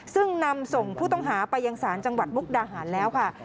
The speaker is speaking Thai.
ซึ่งนำส่งผู้ต้องหาไปยังศาลจังหวัดมุกดาหารแล้วค่ะ